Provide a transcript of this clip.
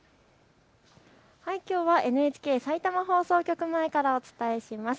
きょうはＮＨＫさいたま局前からお伝えします。